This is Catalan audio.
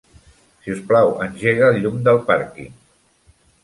Si us plau, engega el llum del pàrquing.